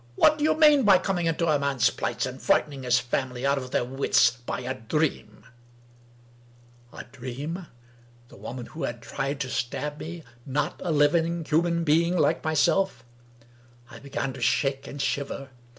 What do you mean by coming into a man's place and frightening his family out of their wits by a dream ?" A dream? The woman who had tried to stab me, not a living human being like myself? I began to shake and shiver.